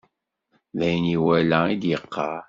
D ayen iwala i d-yeqqaṛ.